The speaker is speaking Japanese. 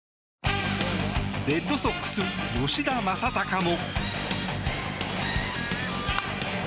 レッドソックス、吉田正尚も。